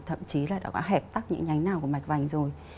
thậm chí là đã có hẹp tắc những nhánh nào của mạch vành rồi